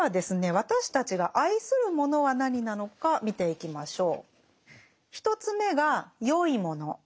私たちが愛するものは何なのか見ていきましょう。